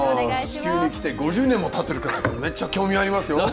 地球に来て５０年もたってるからめっちゃ興味ありますよ！